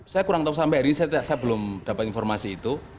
saya kurang tahu sampai hari ini saya belum dapat informasi itu